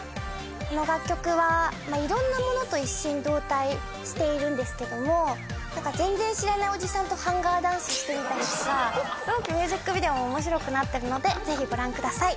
この楽曲はまあ色んなものと一心同体しているんですけども何か全然知らないおじさんとハンガーダンスしてみたりとかすごくミュージックビデオも面白くなってるのでぜひご覧ください